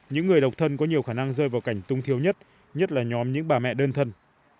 những người độc thân có nhiều khả năng rơi vào cảnh tung thiếu nhất nhất là nhóm những bà mẹ đơn thân